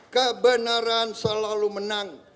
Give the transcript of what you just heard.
kebenaran selalu menang